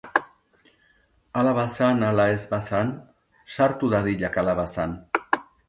Hala bazan ala ez bazan, sartu dadila kalabazan.